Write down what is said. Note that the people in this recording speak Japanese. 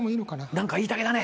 何か言いたげだね